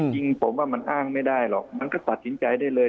จริงผมว่ามันอ้างไม่ได้หรอกมันก็ตัดสินใจได้เลย